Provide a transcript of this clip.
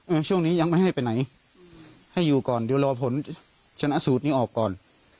ช่วงนี้ยังไม่ให้ไปไหนให้อยู่ก่อนเดี๋ยวรอผลชนะสูตรนี้ออกก่อน